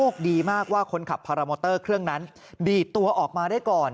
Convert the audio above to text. พารามอเตอร์เครื่องนั้นดีดตัวออกมาได้ก่อน